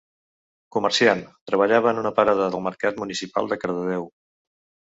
Comerciant, treballava en una parada del mercat municipal de Cardedeu.